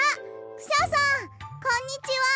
クシャさんこんにちは！